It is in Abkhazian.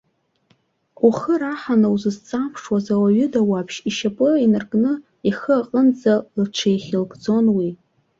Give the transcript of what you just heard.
Ухы раҳаны узызҵамԥшуаз ауаҩы дауаԥшь, ишьапы инаркны ихы аҟынӡа лҽихьылгӡон уи.